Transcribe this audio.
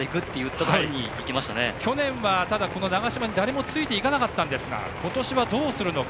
ただ、去年は長嶋に誰もついていかなかったんですが今年はどうするのか。